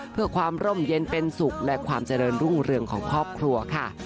เพื่อความร่มเย็นเป็นสุขและความเจริญรุ่งเรืองของครอบครัวค่ะ